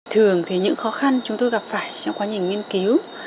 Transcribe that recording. thường thì những khó khăn chúng tôi gặp phải trong quá trình nghiên cứu